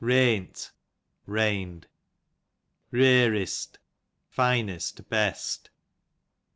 Reant, rained. Rearest. Jinest, best.